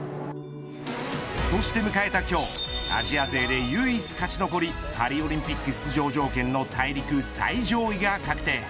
そして迎えた今日アジア勢で唯一勝ち残りパリオリンピック出場条件の大陸最上位が確定。